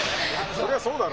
そりゃそうだろ。